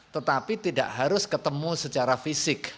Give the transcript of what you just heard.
tetapi tidak harus ketemu secara fisik